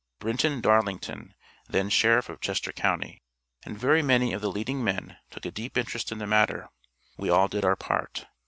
Brinton Darlington, then Sheriff of Chester county, and very many of the leading men took a deep interest in the matter; we all did our part.